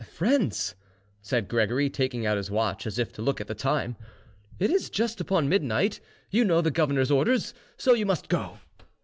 "Friends," said Gregory, taking out his watch as if to look at the time, "it is just upon midnight; you know the governor's orders, so you must go."